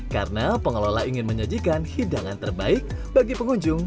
karena pengelola ingin menyajikan hidangan terbaik bagi pengunjung